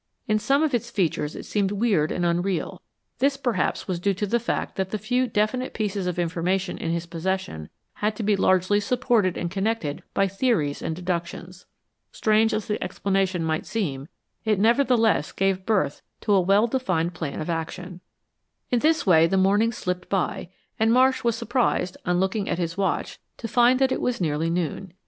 In some of its features it seemed weird and unreal. This, perhaps, was due to the fact that the few definite pieces of information in his possession had to be largely supported and connected by theories and deductions. Strange as the explanation might seem, it nevertheless gave birth to a well defined plan of action. In this way the morning slipped by and Marsh was surprised, on looking at his watch, to find that it was nearly noon.